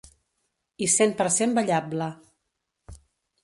I cent per cent ballable.